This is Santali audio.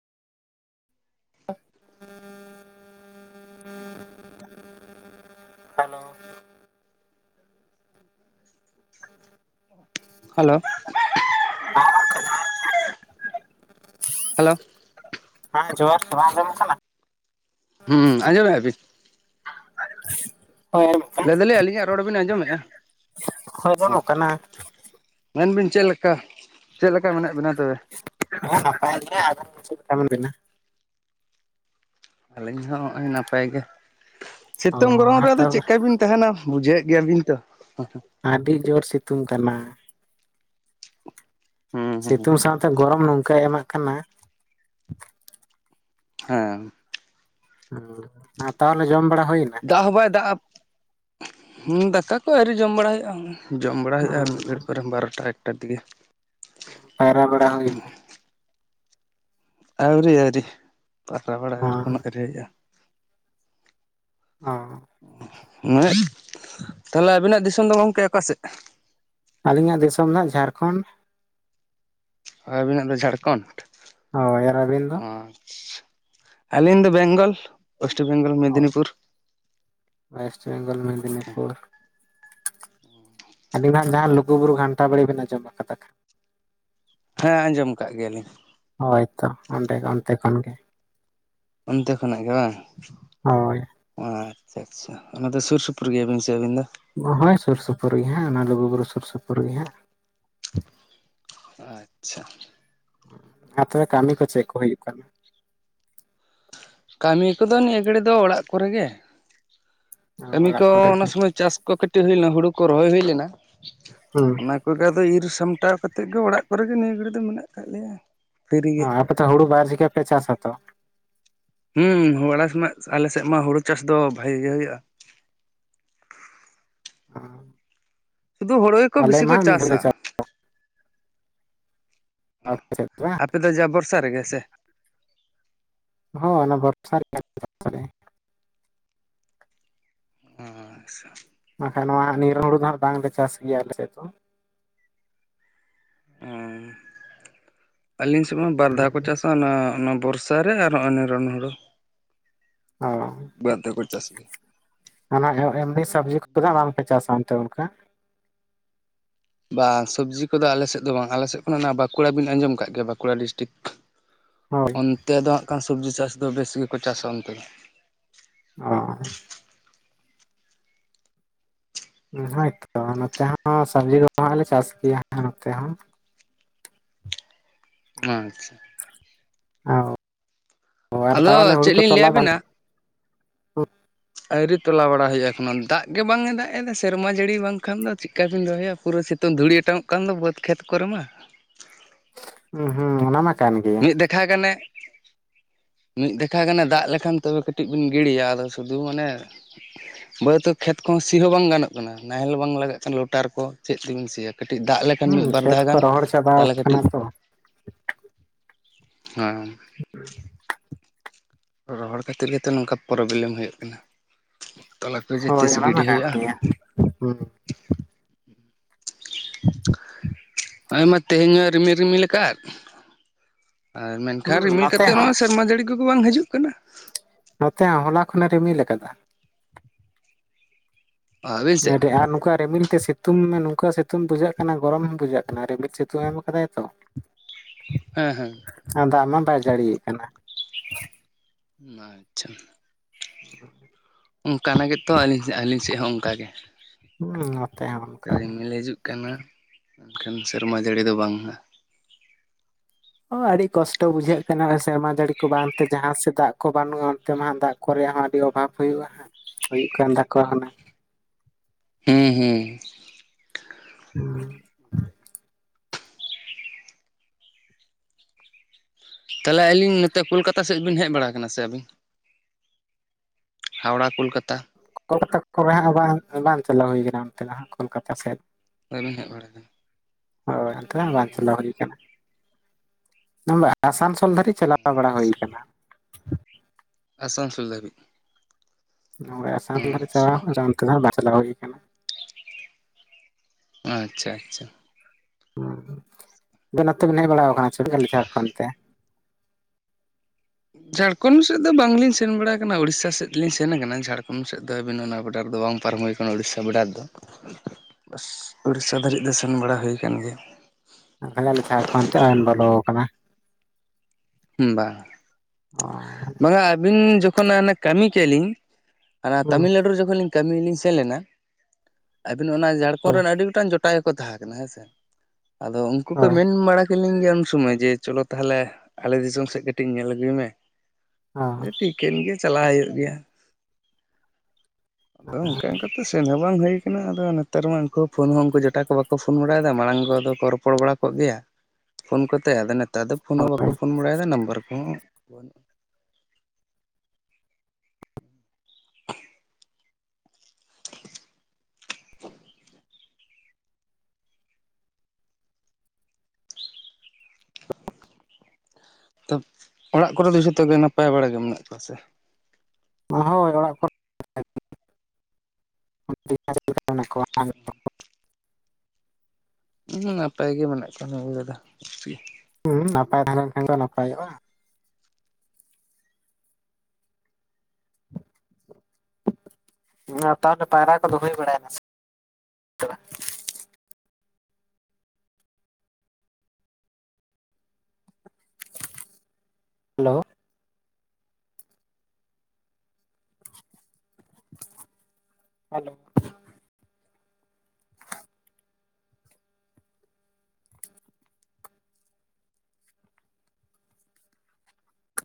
ᱦᱮᱞᱳ ᱦᱮᱞᱳ ᱦᱟᱞᱳ [inaudible] ᱵᱟᱝ ᱟᱡᱚᱢᱚᱜ ᱠᱟᱱᱟ ᱦᱩᱸ ᱟᱡᱚᱢᱚᱜ-ᱟ ᱵᱤᱱ? ᱦᱳᱭ ᱟᱸᱡᱚᱢᱚᱜ ᱠᱟᱱᱟ ᱞᱟᱹᱭ ᱫᱟᱞᱤᱧ ᱟᱹᱞᱤᱧᱟᱜ ᱨᱚᱲ ᱵᱤᱱ ᱟᱸᱡᱚᱢᱮᱜ-ᱟ? ᱦᱚᱭ ᱡᱚᱢᱚᱜ ᱠᱟᱱᱟ ᱾ ᱢᱮᱱᱵᱤᱱ ᱪᱮᱫ ᱞᱮᱠᱟ ᱪᱮᱫ ᱞᱮᱠᱟ ᱢᱮᱱᱟᱜ ᱵᱤᱱᱟ ᱛᱚᱵᱮ? ᱦᱮᱸ ᱱᱟᱯᱟᱭ ᱜᱮ ᱟᱵᱤᱱ ᱜᱮ, ᱪᱮᱫ ᱞᱮᱠᱟ ᱢᱮᱱᱟᱜ ᱵᱤᱱᱟ? ᱟᱹᱞᱤᱧ ᱦᱚᱸ ᱦᱚᱸᱜ-ᱚᱭ ᱱᱟᱯᱟᱭ ᱜᱮ ᱚ ᱥᱤᱛᱩᱝ ᱜᱨᱚᱢ ᱟᱨ ᱨᱮᱫᱚ ᱛᱚ ᱪᱮᱫᱠᱟᱵᱤᱱ ᱛᱟᱦᱮᱱᱟ ᱵᱩᱡᱷᱟᱹᱣᱮᱫ ᱜᱮᱭᱟᱵᱤᱱ ᱛᱚ ᱾ ᱟᱹᱰᱤ ᱡᱳᱨ ᱥᱤᱛᱩᱝ ᱠᱟᱱᱟ ᱾ ᱦᱩᱸ ᱦᱩᱸ ᱥᱤᱛᱩᱝ ᱥᱟᱶᱛᱮ ᱜᱚᱨᱚᱢ ᱱᱚᱝᱠᱟᱭ ᱮᱢᱟᱜ ᱠᱟᱱᱟ ᱦᱮᱸ ᱟᱹ ᱛᱟᱦᱞᱮ ᱡᱚᱢ ᱵᱟᱲᱟ ᱦᱩᱭᱱᱟ? ᱫᱟᱜ ᱦᱚᱸ ᱵᱟᱭ ᱫᱟᱜ-ᱟ ᱫᱟᱠᱟ ᱠᱚ ᱟᱹᱣᱨᱤ ᱡᱚᱢ ᱵᱟᱲᱟᱭ ᱦᱩᱭᱩᱜ-ᱟ᱾ ᱡᱚᱢ ᱵᱟᱲᱟ ᱦᱩᱭᱩᱜ-ᱟ ᱟᱨ ᱢᱤᱫ ᱜᱷᱟᱹᱲᱤᱡ ᱯᱚᱨᱮ ᱵᱟᱨᱚᱴᱟ ᱮᱠᱴᱟ ᱫᱤᱜᱮ᱾ ᱯᱟᱭᱨᱟ ᱵᱟᱲᱟ ᱦᱩᱭ ᱱᱟ? ᱟᱹᱣᱨᱤ ᱟᱹᱣᱨᱤ ᱯᱟᱛᱟ ᱵᱟᱲᱟ ᱟᱨ ᱮᱠᱷᱚᱱᱳ ᱟᱹᱣᱨᱤ ᱦᱩᱭᱩᱜ-ᱟ᱾ ᱚ ᱱᱮᱸᱫ ᱛᱦᱟᱞᱮ ᱟᱵᱤᱱᱟᱜ ᱫᱤᱥᱚᱢ ᱫᱚ ᱜᱚᱝᱠᱮ ᱚᱠᱟ ᱥᱮᱫ? ᱟᱹᱞᱤᱧᱟᱜ ᱫᱤᱥᱚᱢ ᱫᱚ ᱦᱟᱸᱜ ᱡᱷᱟᱨᱠᱷᱚᱸᱰ᱾ ᱟᱹᱵᱤᱱᱟᱜ ᱫᱚ ᱡᱷᱟᱲᱠᱷᱚᱸᱰ ᱦᱳᱭ ᱟᱨ ᱟᱹᱵᱤᱱ ᱫᱚ? ᱚ ᱟᱪᱪᱷᱟ, ᱟᱹᱞᱤᱧ ᱫᱚ ᱵᱮᱝᱜᱚᱞ ᱳᱭᱮᱥᱴ ᱵᱮᱝᱜᱚᱞ ᱢᱤᱫᱽᱱᱤᱯᱩᱨ᱾ ᱳᱭᱮᱥᱴ ᱵᱮᱝᱜᱚᱞ ᱢᱤᱫᱽᱱᱤᱯᱩᱨ, ᱟᱹᱵᱤᱱ ᱢᱟ ᱡᱟᱦᱟᱸ ᱞᱩᱜᱩᱵᱩᱨᱩ ᱜᱷᱟᱱᱴᱟ ᱵᱟᱲᱮ ᱵᱮᱱ ᱟᱡᱚᱢ ᱠᱟᱫᱟ᱾ ᱦᱮᱸ ᱟᱸᱡᱚᱢ ᱠᱟᱜ ᱜᱮᱭᱟᱞᱤᱧ᱾ ᱦᱚᱭᱛᱚ ᱚᱸᱰᱮ ᱚᱱᱛᱮ ᱠᱷᱚᱱ ᱜᱮ, ᱚᱱᱛᱮ ᱠᱷᱚᱱᱟᱜ ᱜᱮ ᱵᱟᱝ᱾ ᱦᱚᱭ ᱟᱪᱪᱷᱟ ᱟᱪᱪᱷᱟ ᱚᱱᱟ ᱫᱚ ᱥᱩᱨ ᱥᱩᱯᱩᱨ ᱜᱮᱭᱟ ᱵᱤᱱ ᱥᱮ ᱟᱹᱵᱤᱱ ᱫᱚ? ᱜᱳ ᱦᱳᱭ ᱥᱩᱨ ᱥᱩᱯᱩᱨ ᱜᱮ ᱦᱟᱸᱜ, ᱚᱱᱟ ᱞᱩᱜᱩᱵᱩᱨᱩ ᱥᱩᱨ ᱥᱩᱯᱩᱨ ᱨᱮᱜᱮ ᱦᱟᱸᱜ᱾ ᱟᱪᱪᱷᱟ ᱟᱨ ᱛᱚᱵᱮ ᱠᱟᱹᱢᱤ ᱠᱚ ᱪᱮᱜ ᱠᱚ ᱦᱩᱭᱩᱜ ᱠᱟᱱᱟ᱾ ᱠᱟᱹᱢᱤ ᱠᱚᱫᱚ ᱱᱤᱭᱟᱹ ᱜᱷᱟᱹᱲᱤ ᱫᱚ ᱚᱲᱟᱜ ᱠᱚᱨᱮ ᱜᱮ, ᱠᱟᱹᱢᱤ ᱚᱲᱟᱜ ᱠᱚ ᱠᱚᱨᱮ ᱚᱱᱟ ᱜᱮ ᱥᱚᱢᱚᱭ ᱪᱟᱥ ᱠᱚ ᱠᱟᱹᱴᱤᱡ ᱦᱩᱭ ᱞᱮᱱᱟ, ᱦᱩᱲᱩ ᱠᱚ ᱨᱚᱦᱚᱭ ᱦᱩᱭ ᱞᱮᱱᱟ᱾ ᱦᱩᱸ ᱚᱱᱟ ᱠᱚᱜᱮ ᱟᱫᱚ ᱤᱨ ᱥᱟᱢᱴᱟᱣ ᱠᱟᱛᱮᱜ ᱜᱮ ᱚᱲᱟᱜ ᱠᱚᱨᱮᱜᱮ ᱱᱤᱭᱟᱹ ᱜᱷᱟᱹᱲᱤᱡ ᱫᱚ ᱢᱮᱱᱟᱜ ᱠᱟᱫ ᱞᱮᱭᱟ᱾ ᱯᱷᱤᱨᱤ ᱚ ᱜᱮ ᱟᱯᱮ ᱫᱚ ᱦᱩᱲᱩ ᱵᱟᱨ ᱡᱮᱠᱟ ᱯᱮ ᱪᱟᱥᱟ ᱛᱚ? ᱦᱩᱸ [unintelligible] ᱟᱞᱮ ᱥᱮᱜ ᱢᱟ ᱟᱞᱮ ᱥᱮᱜ ᱢᱟ ᱦᱩᱲᱩ ᱪᱟᱥ ᱫᱚ ᱵᱷᱟᱜᱤ ᱜᱮ ᱦᱩᱭᱩᱜ-ᱟ᱾ [unintelligible] ᱥᱩᱫᱩ ᱦᱳᱲᱳ ᱜᱮᱠᱚ ᱟᱞᱮ ᱵᱮᱥᱤ ᱢᱟ ᱠᱚ ᱢᱤᱫ ᱫᱷᱟᱣ ᱞᱮ ᱪᱟᱥ-ᱟ᱾ ᱟᱯᱮ ᱥᱮᱫ ᱫᱚ ᱵᱟᱝ ᱟᱯᱮ ᱫᱚ ᱡᱟ ᱵᱚᱨᱥᱟ ᱨᱮᱜᱮ ᱥᱮ? ᱦᱚᱸ ᱚᱱᱟ ᱵᱚᱨᱥᱟ ᱨᱮᱜᱮ᱾ ᱟᱪᱪᱷᱟ ᱵᱟᱝᱠᱷᱟᱱ ᱱᱚᱣᱟ ᱱᱤᱨᱚᱱ ᱦᱩᱲ ᱫᱚ ᱦᱟᱸᱜ ᱵᱟᱝᱞᱮ ᱪᱟᱥ ᱜᱮᱭᱟ ᱟᱞᱮᱥᱮᱫ ᱫᱚ᱾ ᱚᱸ ᱟᱹᱞᱤᱧ ᱥᱮᱫᱢᱟ ᱵᱟᱨ ᱫᱷᱟᱣ ᱠᱚ ᱪᱟᱥᱟ, ᱚᱱᱟ ᱚᱱᱟ ᱵᱚᱨᱥᱟ ᱨᱮ ᱟᱨᱚ ᱱᱤᱨᱚᱱ ᱦᱩᱲᱩ᱾ [unintelligible] ᱚ ᱵᱟᱨ ᱫᱷᱟᱣ ᱠᱚ ᱪᱟᱥ ᱜᱮᱭᱟ᱾ ᱚᱱᱟ ᱮᱢ ᱮᱢᱱᱤ ᱥᱚᱵᱽᱡᱤ ᱠᱚᱫᱚ ᱦᱟᱸᱜ ᱵᱟᱝᱯᱮ ᱪᱟᱥᱟ ᱚᱱᱛᱮ ᱚᱱᱠᱟ? ᱵᱟᱝ ᱥᱚᱵᱽᱡᱤ ᱠᱚᱫᱚ ᱟᱞᱮ ᱥᱮᱫ ᱫᱚ ᱵᱟᱝ, ᱟᱞᱮ ᱥᱮᱫ ᱠᱷᱚᱱᱟᱜ ᱚᱱᱟ ᱵᱟᱸᱠᱩᱲᱟ ᱵᱤᱱ ᱟᱸᱡᱚᱢ ᱠᱟᱜ ᱜᱮ ᱵᱟᱸᱠᱩᱲᱟ ᱰᱤᱥᱴᱤᱠ᱾ ᱦᱳᱭ ᱚᱱᱛᱮ ᱫᱚ ᱦᱟᱸᱜ ᱠᱷᱟᱱ ᱥᱚᱵᱽᱡᱤ ᱪᱟᱥ ᱫᱚ ᱵᱮᱥ ᱜᱮᱠᱚ ᱪᱟᱥᱟ ᱚᱱᱛᱮ ᱫᱚ᱾ ᱚ ᱦᱳᱭᱛᱚ ᱱᱚᱛᱮ ᱦᱚᱸ ᱥᱚᱵᱽᱡᱤ ᱠᱚ ᱦᱟᱸᱜ ᱞᱮ ᱪᱟᱥ ᱜᱮᱭᱟ ᱱᱚᱛᱮ ᱦᱚᱸ᱾ ᱚ ᱟᱪᱪᱷᱟ ᱚᱦ ᱚ ᱟᱨ ᱟᱫᱚ ᱛᱟᱦᱚᱞᱮ ᱦᱩᱲᱩ ᱪᱮᱫ ᱠᱚ ᱞᱤᱧ ᱞᱟᱹᱭ ᱛᱚᱞᱟ ᱟᱵᱤᱱᱟ ᱛᱟᱦᱚᱞᱮ ᱟᱹᱣᱨᱤ ᱛᱚᱞᱟ ᱵᱟᱲᱟ ᱦᱩᱭᱩᱜᱼᱟ ᱮᱠᱷᱚᱱᱳ ᱫᱟᱜ ᱜᱮ ᱵᱟᱝ ᱮ ᱫᱟᱜ ᱮᱫᱟ᱾ ᱥᱮᱨᱢᱟ ᱡᱟᱹᱲᱤ ᱵᱟᱝᱠᱷᱟᱱ ᱫᱚ ᱪᱮᱫᱠᱟ ᱵᱤᱱ ᱨᱚᱦᱚᱭᱟ ᱯᱩᱨᱟᱹ ᱥᱤᱛ ᱛᱩᱝ ᱫᱷᱩᱲᱤ ᱚᱴᱟᱝᱚᱜ ᱠᱟᱱ ᱫᱚ ᱵᱟᱹᱫᱽ ᱠᱷᱮᱛ ᱠᱚᱨᱮ ᱢᱟ᱾ ᱦᱩᱸ ᱦᱩᱸ ᱚᱱᱟ ᱢᱟ ᱠᱟᱱ ᱜᱮᱭᱟ ᱢᱤᱫ ᱫᱮᱠᱷᱟ ᱜᱟᱱᱮ ᱢᱤᱫ ᱫᱮᱠᱷᱟ ᱜᱟᱱᱮ ᱫᱟᱜ ᱞᱮᱠᱷᱟᱱ ᱛᱚᱵᱮ ᱠᱟᱹᱴᱤᱡ ᱵᱮᱱ ᱜᱤᱲᱤᱭᱟ᱾ ᱟᱫᱚ ᱥᱩᱫᱩ ᱢᱟᱱᱮ ᱵᱟᱹᱫᱽ ᱠᱷᱮᱛ ᱠᱚᱦᱚᱸ ᱥᱤ ᱦᱚᱸ ᱵᱟᱝ ᱜᱟᱱᱚᱜ ᱠᱟᱱᱟ᱾ ᱱᱟᱦᱮᱞ ᱵᱟᱝ ᱞᱟᱜᱟᱜ ᱠᱟᱱᱟ ᱞᱳᱴᱟᱨ ᱠᱚ ᱪᱮᱫ ᱛᱮᱵᱤᱱ ᱥᱤᱭᱟ᱾ ᱠᱟᱹᱴᱤᱡ ᱫᱟᱜ ᱞᱮᱠᱷᱟᱱ ᱦᱩᱸ ᱢᱤᱫ ᱵᱟᱨ ᱠᱷᱮᱛ ᱫᱷᱟᱣ ᱠᱚ ᱜᱟᱱ ᱨᱚᱦᱚᱲ ᱪᱟᱵᱟᱣ ᱛᱟᱦᱚᱞᱮ ᱠᱟᱱᱟ ᱠᱟᱹᱴᱤᱡ ᱛᱚ ᱦᱮᱸ ᱨᱚᱦᱚᱲ ᱠᱷᱟᱹᱛᱤᱨ ᱜᱮᱛᱚ ᱱᱚᱝᱠᱟ ᱯᱨᱚᱵᱞᱮᱢ ᱦᱩᱭᱩᱜ ᱠᱟᱱᱟ ᱾ ᱛᱚᱞᱟ ᱠᱚ ᱡᱮ ᱦᱳᱭ ᱛᱸᱤᱥ ᱚᱱᱟ ᱢᱟ ᱜᱤᱰᱤ ᱠᱟᱱ ᱦᱩᱭᱩᱜᱼᱟ? ᱜᱮᱭᱟ ᱦᱩᱸ ᱦᱚᱜᱼᱚᱭ ᱢᱟ ᱛᱮᱦᱮᱧ ᱦᱚᱭ ᱨᱤᱢᱤᱞ ᱨᱤᱢᱤᱞ ᱟᱠᱟᱫ ᱾ ᱟᱨ ᱢᱮᱱᱠᱷᱟᱱ ᱦᱩᱸ ᱨᱤᱢᱤᱞ ᱱᱚᱛᱮ ᱠᱟᱛᱮᱫ ᱦᱚᱸ ᱥᱮᱨᱢᱟ ᱡᱟᱹᱲᱤ ᱠᱚᱜᱮ ᱵᱟᱝ ᱦᱤᱡᱩᱜ ᱠᱟᱱᱟ ᱾ ᱱᱚᱛᱮ ᱦᱚᱸ ᱦᱚᱞᱟ ᱠᱷᱚᱱᱮ ᱨᱤᱢᱤᱞ ᱟᱠᱟᱫᱟ ᱾ ᱟᱹᱵᱤᱱ ᱥᱮᱫ ᱟᱹᱰᱤ, ᱟᱨ ᱱᱚᱝᱠᱟ ᱨᱤᱢᱤᱞ ᱛᱮ ᱥᱮ ᱥᱤᱛᱩᱝ ᱢᱮ ᱱᱚᱝᱠᱟ ᱥᱤᱛᱩᱝ ᱵᱩᱡᱷᱟᱹᱜ ᱠᱟᱱᱟ ᱜᱚᱨᱚᱢ ᱦᱚᱸ ᱵᱩᱡᱷᱟᱹᱜ ᱠᱟᱱᱟ ᱨᱤᱢᱤᱞ ᱥᱤᱛᱩᱝ ᱮᱢ ᱠᱟᱫᱟᱭ ᱛᱚ ᱾ ᱦᱮᱸ ᱦᱮᱸ ᱾ ᱟᱨ ᱫᱟᱜ ᱢᱟ ᱵᱟᱭ ᱡᱟᱹᱲᱤᱭᱟᱜ ᱠᱟᱱᱟ ᱾ ᱟᱪᱪᱷᱟ, ᱚᱱᱠᱟᱱᱟᱜ ᱜᱮᱛᱚ ᱟᱹᱧ ᱟᱹᱞᱤᱧ‌ ᱥᱮᱫ ᱦᱚᱸ ᱚᱱᱠᱟ ᱜᱮ ᱦᱩᱸ ᱱᱚᱛᱮ ᱦᱚᱸ ᱚᱱᱠᱟ ᱾ ᱜᱮ ᱨᱤᱢᱤᱞ ᱦᱤᱡᱩᱜ ᱠᱟᱱᱟ ᱢᱮᱱᱠᱷᱟᱱ ᱥᱮᱨᱢᱟ ᱡᱟᱹᱲᱤ ᱫᱚ ᱵᱟᱝᱟ ᱾ ᱟᱹᱰᱤ ᱠᱚᱥᱴᱚ ᱵᱩᱡᱷᱟᱹᱜ ᱠᱟᱱᱟ ᱥᱮᱨᱢᱟ ᱡᱟᱹᱲᱤ ᱠᱚ ᱵᱟᱝ ᱛᱮ ᱡᱟᱦᱟᱸ ᱥᱮᱫ ᱫᱟᱜ ᱠᱚ ᱵᱟᱹᱱᱩᱜᱼᱟ ᱚᱱᱛᱮ ᱢᱟ ᱦᱟᱸᱜ ᱫᱟᱜ ᱠᱚ ᱨᱮᱭᱟᱜ ᱦᱚᱸ ᱟᱹᱰᱤ ᱚᱵᱷᱟᱵ ᱦᱩᱭᱩᱜᱼᱟ, ᱦᱩᱭᱩᱜ ᱠᱟᱱ ᱛᱟᱠᱚᱣᱟ ᱦᱩᱱᱟᱹᱝ ᱾ ᱦᱩᱸ ᱦᱩᱸ ᱾ [unintelligible] ᱛᱟᱦᱚᱞᱮ ᱟᱹᱞᱤᱧ ᱱᱚᱛᱮ ᱠᱳᱞᱠᱟᱛᱟ ᱥᱮᱫ ᱵᱮᱱ ᱦᱮᱡ ᱵᱟᱲᱟ ᱟᱠᱟᱱᱟ ᱥᱮ ᱟᱹᱵᱤᱱ? ᱦᱟᱣᱲᱟ, ᱠᱳᱞᱠᱟᱛᱟ ᱾ ᱠᱳᱞᱠᱟᱛᱟ ᱠᱚᱨᱮ ᱦᱟᱸᱜ ᱵᱟᱝ ᱵᱟᱝ ᱪᱟᱞᱟᱣ ᱦᱩᱭ ᱠᱟᱱᱟ ᱚᱱᱛᱮ ᱫᱚ ᱦᱟᱸᱜ ᱠᱳᱞᱠᱟᱛᱟ ᱥᱮᱫ ᱾ ᱵᱟᱹᱵᱤᱱ ᱦᱮᱡ ᱵᱟᱲᱟ ᱠᱟᱱᱟ ᱾ ᱦᱳᱭ ᱚᱱᱛᱮ ᱫᱚ ᱦᱟᱜ ᱵᱟᱝ ᱪᱟᱞᱟᱣ ᱦᱩᱭ ᱠᱟᱱᱟ ᱾ [unintelligible] ᱟᱥᱟᱱᱥᱳᱞ ᱫᱷᱟᱨᱤᱡ ᱪᱟᱞᱟᱣ ᱵᱟᱲᱟ ᱦᱩᱭ ᱟᱠᱟᱱᱟ ᱾ ᱟᱥᱟᱱᱥᱳᱞ ᱫᱟᱷᱟᱨᱤᱡ᱾ ᱷᱳᱭ ᱟᱥᱟᱱᱥᱞᱟᱨᱮ ᱪᱟᱞᱟᱣ ᱦᱩᱭ ᱟᱠᱟᱱᱟ ᱚᱱᱛᱮ ᱫᱚ ᱦᱟᱜ ᱵᱟ ᱪᱞᱟᱣ ᱦᱩᱭ ᱟᱠᱟᱱᱟ ᱟᱪᱪᱷᱟ ᱟᱪᱪᱷᱟ᱾ ᱦᱸ ᱟᱫᱚ ᱱᱚᱛᱮ ᱵᱮᱱ ᱦᱮᱡ ᱵᱟᱲᱟ ᱟᱠᱟᱱᱟ ᱪᱮ ᱡᱷᱟᱲᱠᱷᱱ ᱛᱮ᱾ ᱡᱷᱟᱲᱠᱷᱚᱱᱰ ᱥᱮᱫ ᱫᱚ ᱵᱟᱝᱞᱤᱧ ᱥᱮᱱ ᱵᱟᱲᱟ ᱠᱟᱱᱟ ᱩᱲᱤᱥᱥᱟ ᱥᱮᱫ ᱞᱤᱧ ᱥᱮᱱ ᱟᱠᱟᱱᱟ ᱡᱷᱟᱲᱠᱷᱚᱱᱰ ᱥᱮᱫ ᱫᱚ ᱟᱹᱵᱤᱱ ᱚᱱᱟ ᱵᱟᱰᱟᱨ ᱨᱮ ᱫᱚ ᱵᱟᱝ ᱾ ᱯᱟᱨᱚᱢ ᱦᱩᱭ ᱠᱟᱱᱟ ᱩᱲᱤᱥᱥᱟ ᱵᱚᱰᱟᱨ ᱫᱚ, ᱵᱟᱥ ᱩᱲᱤᱥᱥᱟ ᱫᱷᱟᱹᱨᱤᱡ ᱫᱚ ᱥᱮᱱ ᱵᱟᱲᱟ ᱦᱳᱭ ᱠᱟᱱ ᱜᱮᱭᱟ ᱾ ᱟᱫᱟ ᱞᱮ ᱪᱷᱟᱠᱷᱚᱱ ᱛᱮ ᱚᱜᱮᱢ ᱵᱚᱞᱚ ᱠᱟᱱᱟ ᱾ ᱩᱢ ᱵᱟ, ᱚ ᱵᱟᱝᱟ ᱟᱹᱵᱤᱱ ᱡᱚᱠᱷᱚᱱ ᱠᱟᱹᱢᱤ ᱠᱮᱫ ᱞᱤᱧ ᱚᱱᱟ ᱦᱩᱸ ᱛᱟᱹᱢᱤᱞᱱᱟᱹᱲᱩ ᱨᱮ ᱡᱚᱠᱷᱚᱱ ᱞᱤᱧᱼᱼ ᱠᱟᱹᱢᱤ ᱞᱤᱧ ᱥᱮᱱ ᱞᱮᱱᱟ ᱟᱹᱵᱤᱱ ᱚᱱᱟ ᱡᱷᱟᱲᱠᱷᱚᱸᱰ ᱦᱳᱭ ᱨᱮᱱ ᱟᱹᱰᱤ ᱜᱚᱴᱟᱝ ᱡᱚᱴ ᱜᱴᱟᱜ ᱜᱮᱠᱚ ᱛᱟᱦᱮᱸ ᱠᱟᱱᱟ ᱦᱮᱸ ᱥᱮ ᱟᱫᱚ ᱩᱱᱠᱩ ᱠᱚ ᱦᱳᱭ ᱢᱮᱱ ᱵᱟᱲᱟ᱾ ᱛᱮᱞᱤᱧ ᱜᱮᱭᱟ ᱩᱱ ᱥᱚᱢᱚᱭ ᱡᱮ ᱪᱚᱞᱚ ᱛᱟᱞᱦᱮ ᱟᱞᱮ ᱫᱤᱥᱚᱢ ᱥᱮᱫ ᱠᱟᱹᱴᱤᱡ ᱧᱮᱞ ᱟᱹᱜᱩᱭ ᱢᱮ ᱾ ᱴᱤᱠᱟᱹᱱ ᱜᱮᱭᱟ ᱪᱟᱞᱟᱣ ᱦᱳᱭᱳᱜ ᱜᱮᱭᱟ ᱟᱫᱚ ᱚᱱᱠᱟ ᱚᱱᱠᱟᱛᱮ ᱥᱮᱱᱚᱜ ᱦᱚᱸ ᱵᱟᱝ ᱦᱳᱭ ᱠᱟᱱᱟ ᱟᱫᱚ ᱱᱮᱛᱟᱨ ᱢᱟ ᱩᱱᱠᱩ ᱯᱷᱳᱱ ᱦᱚᱸᱝ ᱠᱩ ᱡᱚᱴᱟ ᱠᱚ ᱵᱟᱠᱚ ᱯᱷᱳᱱ ᱵᱟᱲᱟᱭᱫᱟ ᱢᱟᱲᱟᱝ ᱠᱚᱫᱚ ᱠᱚ ᱨᱚᱯᱚᱲ ᱵᱟᱲᱟ ᱠᱚᱜ ᱜᱮᱭᱟ ᱾ ᱯᱷᱳᱱ ᱠᱚᱛᱮ ᱟᱫᱚ ᱱᱮᱛᱟᱨ ᱫᱚ ᱯᱷᱳᱱ ᱦᱚᱸ ᱵᱟᱠᱚ ᱯᱷᱳᱱ ᱵᱟᱲᱟᱭᱫᱟ ᱱᱟᱢᱵᱟᱨ ᱠᱚᱦᱚᱸ ᱵᱟᱹᱱᱩᱜ ᱾ ᱛᱚ ᱚᱲᱟᱜ ᱠᱚᱨᱮ ᱫᱚ ᱡᱚᱛᱚᱜᱮ ᱱᱟᱯᱟᱭ ᱵᱟᱲᱟᱜᱮ ᱢᱮᱱᱟᱜ ᱠᱚᱣᱟ ᱥᱮ? ᱚᱸ ᱦᱳᱭ ᱚᱲᱟᱜ ᱠᱚᱨᱮ [unintelligible] ᱩᱦᱩᱸ ᱱᱟᱯᱟᱭ ᱜᱮ ᱢᱮᱱᱟᱜ ᱠᱚᱣᱟ [inaudible] ᱦᱩᱸ ᱱᱟᱯᱟᱭ ᱛᱟᱸᱦᱮ ᱞᱮᱱ ᱠᱷᱟᱱ ᱫᱚ ᱱᱟᱯᱟᱭᱚᱜᱼᱟ ᱾ ᱱᱟᱶᱛᱟ ᱯᱟᱭᱨᱟ ᱠᱚᱫᱚ ᱦᱳᱭ ᱵᱟᱲᱟᱭ ᱮᱱᱟ ᱥᱮ᱾ Hello, hello,